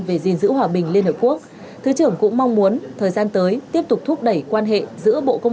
về dình dữ hòa bình liên hợp quốc